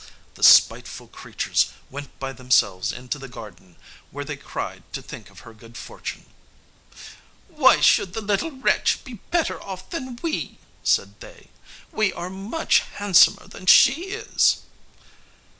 The spiteful creatures went by themselves into the garden, where they cried to think of her good fortune. "Why should the little wretch be better off than we?" said they. "We are much handsomer than she is."